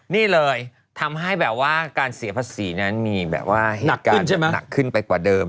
นี่เลยทำให้การเสียภาษีนั้นมีเหตุการณ์หนักขึ้นไปกว่าเดิม